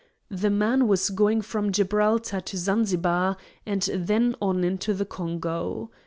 The man was going from Gibraltar to Zanzibar, and then on into the Congo.